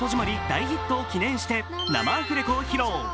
大ヒットを記念して、生アフレコを披露。